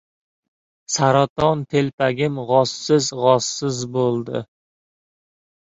Saraton telpagim g‘ozsiz-g‘ozsiz bo‘ldi